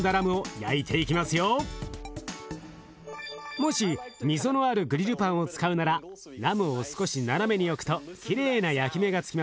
もし溝のあるグリルパンを使うならラムを少し斜めに置くときれいな焼き目がつきますよ。